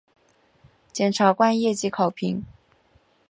检察官业绩考评